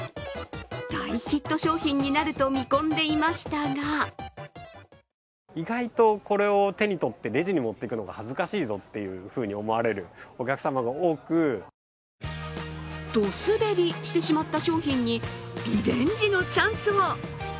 大ヒット商品になると見込んでいましたがドすべりしてしまった商品にリベンジのチャンスを。